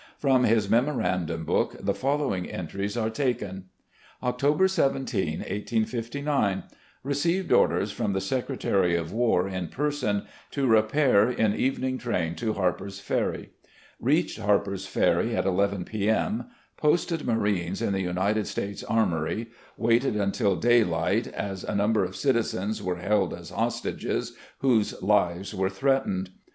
From his memorandum book the following entries are taken: "October 17, 1859. Received orders from the Secre 22 RECX)LLECTIONS OF GENERAL LEE tary of War in person, to repair in evening train to Harper's Ferry. "Reached Harper's Ferry at ii p. m. ... Posted marines in the United States Armory. Waited until daylight, as a number of citizens were held as hostages, whose lives were threatened.